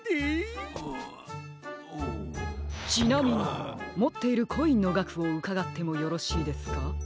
ちなみにもっているコインのがくをうかがってもよろしいですか？